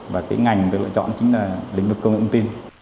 và cái ngành tôi lựa chọn chính là lĩnh vực công nhận thông tin